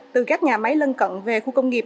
từ các nhà máy lân cận về khu công nghiệp